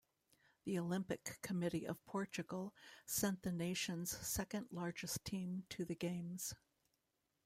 The Olympic Committee of Portugal sent the nation's second-largest team to the Games.